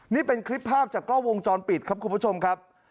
นี่เป็นคลิปภาพจากกล้องวงจรปิดครับคุณผู้ชมครับ